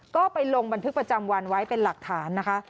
ก็ไปลงบันทึกประจำวันไว้เป็นหลักฐานนะคะ